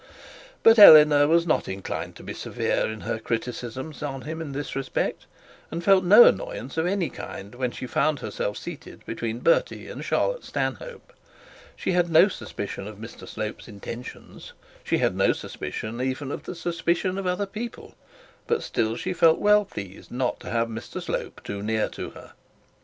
But Eleanor was not inclined to be severe in her criticism on him in that respect, and felt no annoyance of any kind, when she found herself seated between Bertie and Charlotte Stanhope. She had not suspicion of Mr Slope's intentions; she had no suspicion even of the suspicion of other people; but still she felt well pleased not to have Mr Slope too near to her.